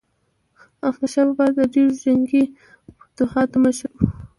احمدشاه بابا د ډیرو جنګي فتوحاتو مشر و.